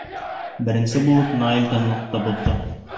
Беренсе булып Наил тынлыҡты боҙҙо: